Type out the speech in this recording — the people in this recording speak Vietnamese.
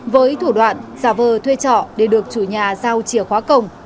với thủ đoạn giả vờ thuê trọ để được chủ nhà giao chìa khóa cổng